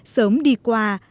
sớm đi qua